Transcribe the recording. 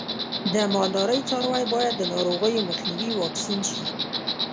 د مالدارۍ څاروی باید د ناروغیو مخنیوي واکسین شي.